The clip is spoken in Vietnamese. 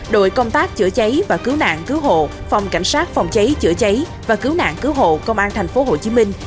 đội công tác chữa cháy và cứu nạn cứu hộ phòng cảnh sát phòng cháy chữa cháy và cứu nạn cứu hộ công an thành phố hồ chí minh